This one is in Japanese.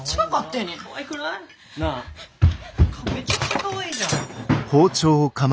なあめちゃくちゃかわいいじゃん。